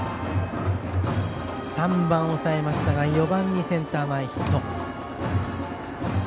３番を抑えましたが４番にセンター前ヒット。